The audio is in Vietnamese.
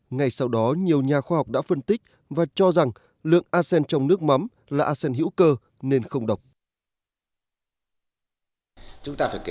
ngay sau đó nhiều nhà khoa học đã phân tích và cho rằng lượng arsen trong nước mắm là arsen hữu cơ nên không độc